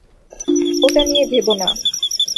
ওটা নিয়ে ভেবো না।